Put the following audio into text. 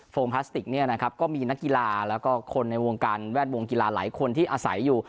พลาสติกเนี่ยนะครับก็มีนักกีฬาแล้วก็คนในวงการแวดวงกีฬาหลายคนที่อาศัยอยู่